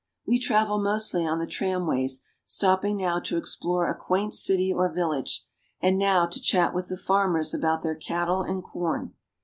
We travel mostly on the tramways, stopping now to explore a quaint city or village, and now to chat with the farmers about their cattle and corn.